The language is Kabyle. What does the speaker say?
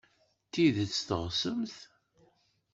D tidet teɣsemt-t?